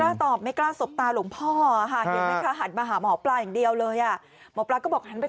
เราแค่นานนอนตรงครั้งคืนมันเกินไป